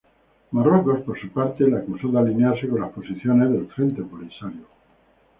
Marruecos, por su parte, le acusó de alinearse con las posiciones del Frente Polisario.